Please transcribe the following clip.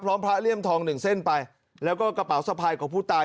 พระเลี่ยมทองหนึ่งเส้นไปแล้วก็กระเป๋าสะพายของผู้ตาย